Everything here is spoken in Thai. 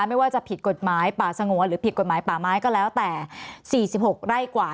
ไม่ว่าจะผิดกฎหมายป่าสงวนหรือผิดกฎหมายป่าไม้ก็แล้วแต่๔๖ไร่กว่า